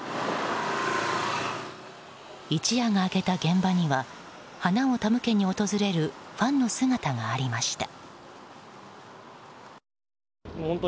一夜が明けた現場には花を手向けに訪れるファンの姿がありました。